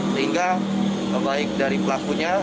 sehingga kebaik dari pelakunya